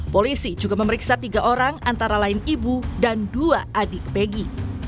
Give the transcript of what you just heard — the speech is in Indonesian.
polisi juga memeriksa tiga orang antara lain ibu dan dua adik peggy